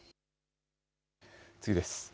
次です。